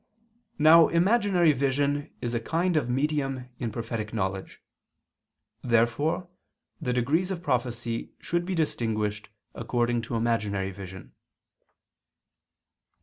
Now imaginary vision is a kind of medium in prophetic knowledge. Therefore the degrees of prophecy should be distinguished according to imaginary vision.